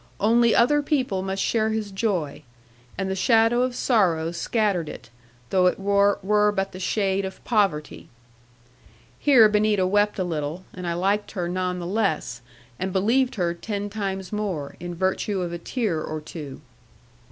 Only other people must share his joy; and the shadow of sorrow scattered it, though it were but the shade of poverty. 'Here Benita wept a little; and I liked her none the less, and believed her ten times more; in virtue of a tear or two.